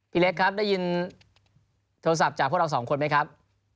เล็กครับได้ยินโทรศัพท์จากพวกเราสองคนไหมครับ